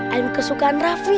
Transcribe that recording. ayu kesukaan rafi